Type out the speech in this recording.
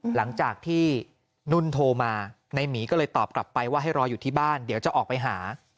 หลังจากที่นุ่นโทรมาในหมีก็เลยตอบกลับไปว่าให้รออยู่ที่บ้านเดี๋ยวจะออกไปหา